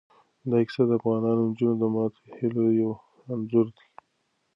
دا کیسه د افغان نجونو د ماتو هیلو یو انځور دی.